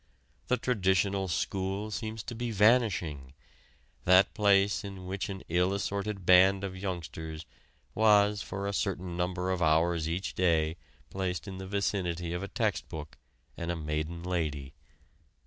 The traditional school seems to be vanishing that place in which an ill assorted band of youngsters was for a certain number of hours each day placed in the vicinity of a text book and a maiden lady.